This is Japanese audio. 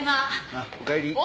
あっおかえり。